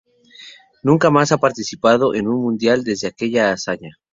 Nunca más ha participado en un Mundial desde aquella hazaña.